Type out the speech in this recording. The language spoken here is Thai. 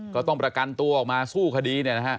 ก็ต้องประกันตัวออกมาสู้คดี